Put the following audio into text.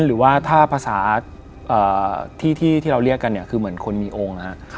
หรือว่าถ้าภาษาที่เราเรียกกันเนี่ยคือเหมือนคนมีองค์นะฮะ